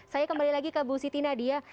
saya kembali lagi ke bu siti nadia